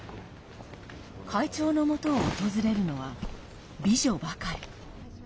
会長のもとを訪れるのは美女ばかり。